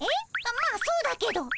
まあそうだけど。